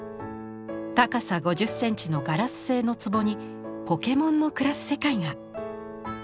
高さ５０センチのガラス製のつぼにポケモンの暮らす世界が。